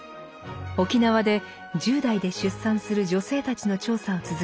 沖縄で１０代で出産する女性たちの調査を続け